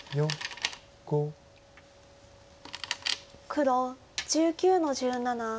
黒１９の十七。